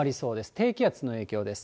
低気圧の影響です。